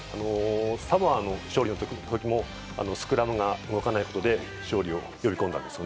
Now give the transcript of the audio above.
サモア戦の勝利の時もスクラムが動かないことで勝利を呼び込んだんです。